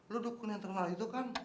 lo dokter yang terkenal itu kan